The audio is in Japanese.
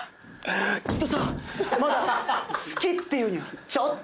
きっとさぁまだ好きって言うにはちょっと勇気がない。